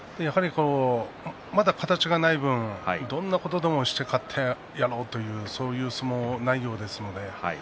まだ形がない分、どんなことでもして勝ってやろうという相撲内容ですね。